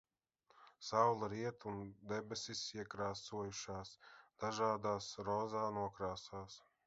Saule riet un debesis iekrāsojušās dažādās rozā nokrāsās.